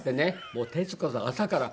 もう徹子さん朝から。